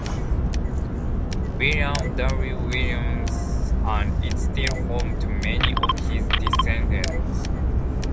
William W. Williams and is still home to many of his descendants.